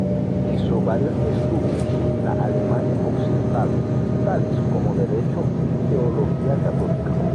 Hizo varios estudios en la Alemania Occidental, tales como Derecho y teología católica.